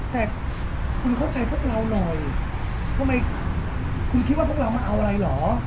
แต่คุณเข้าใจพวกเราหน่อยทำไมคุณคิดว่าพวกเรามาเอาอะไรเหรอ